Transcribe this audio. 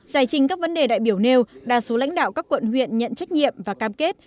giải trình các vấn đề đại biểu nêu đa số lãnh đạo các quận huyện nhận trách nhiệm và cam kết